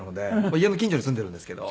家の近所に住んでいるんですけど。